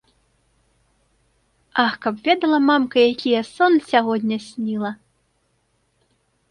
Ах, каб ведала, мамка, які я сон сягоння сніла?!